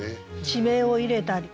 地名を入れたり。